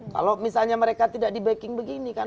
kalau misalnya mereka tidak di backing begini kan